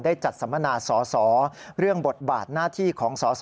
จัดสัมมนาสอสอเรื่องบทบาทหน้าที่ของสส